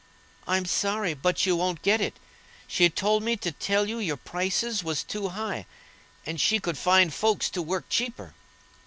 "I'm sorry, but you won't get it. She told me to tell you your prices was too high, and she could find folks to work cheaper."